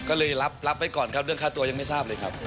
ก็เลยรับไว้ก่อนครับเรื่องค่าตัวยังไม่ทราบเลยครับ